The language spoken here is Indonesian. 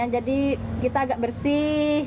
jadi kita agak bersih